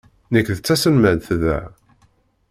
Nekk d taselmadt da.